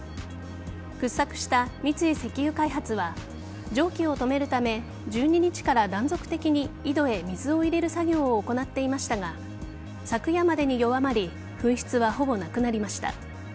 掘削した三井石油開発は蒸気を止めるため１２日から断続的に井戸へ水を入れる作業を行っていましたが昨夜までに弱まり噴出はほぼなくなりました。